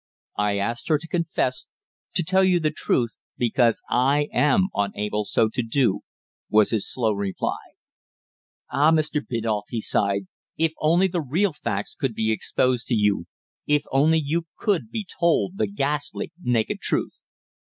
"I asked her to confess to tell you the truth, because I am unable so to do," was his slow reply. "Ah! Mr. Biddulph," he sighed, "if only the real facts could be exposed to you if only you could be told the ghastly, naked truth."